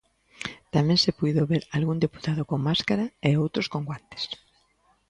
Tamén se puido ver algún deputado con máscara e outros con guantes.